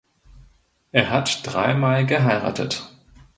Er hat dreimal geheiratet.